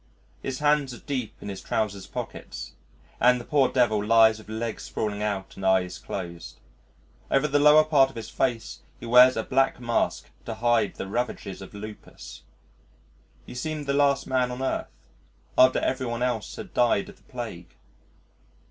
His hands are deep in his trousers' pockets, and the poor devil lies with legs sprawling out and eyes closed: over the lower part of his face he wears a black mask to hide the ravages of lupus.... He seemed the last man on earth after every one else had died of the plague.